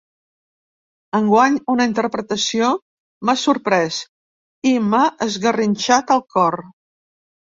Enguany una interpretació m’ha sorprès i m’ha esgarrinxat el cor.